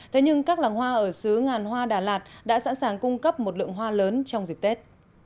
thế nhưng các làng hoa ở xứ ngàn hoa đà lạt đã sẵn sàng cung cấp một lượng hoa lớn trong dịp tết